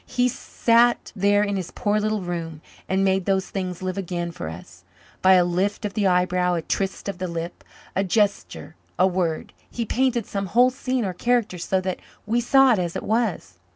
He sat there in his poor little room and made those things live again for us. By a lift of the eyebrow, a twist of the lip, a gesture, a word, he painted some whole scene or character so that we saw it as it was.